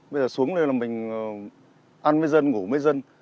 bây giờ xuống đây là mình ăn mấy dân ngủ mấy dân